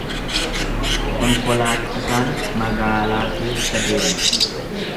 Konkolaachisaan magaalaa keessa deema.